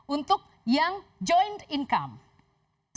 untuk yang joint income